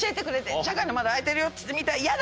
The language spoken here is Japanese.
社会の窓開いてるよって見たらやだ